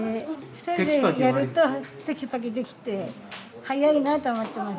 ２人でやるとテキパキできて速いなと思ってます。